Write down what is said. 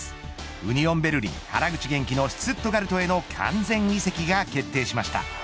ウニオンベルリン原口元気のシュツットガルトへの完全移籍が決定しました。